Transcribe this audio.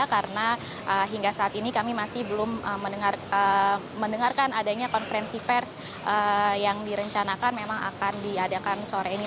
karena hingga saat ini kami masih belum mendengarkan adanya konferensi pers yang direncanakan memang akan diadakan sore ini